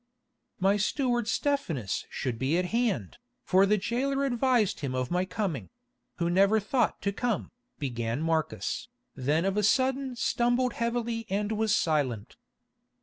"My steward Stephanus should be at hand, for the jailer advised him of my coming—who never thought to come," began Marcus, then of a sudden stumbled heavily and was silent.